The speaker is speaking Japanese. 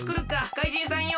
かいじんさんよ